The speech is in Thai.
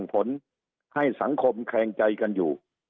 สุดท้ายก็ต้านไม่อยู่